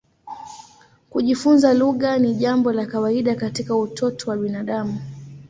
Kujifunza lugha ni jambo la kawaida katika utoto wa binadamu.